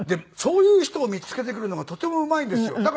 そういう人を見つけてくるのがとてもうまいんですよ。